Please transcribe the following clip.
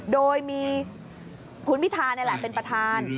โดยมีคุณพิธานี่แหละเป็นประธาน